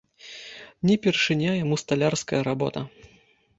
Не першыня яму сталярская работа.